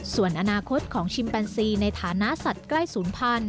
ส่วนอนาคตของชิมแปนซีในฐานะสัตว์ใกล้๐๐๐๐